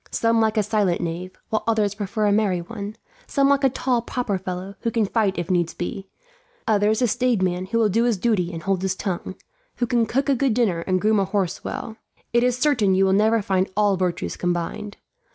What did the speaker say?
Some like a silent knave, while others prefer a merry one. Some like a tall proper fellow, who can fight if needs be; others a staid man, who will do his duty and hold his tongue, who can cook a good dinner and groom a horse well. It is certain you will never find all virtues combined.